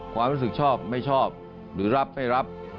ความรู้สึกชอบไม่ชอบหรือรับไม่รับ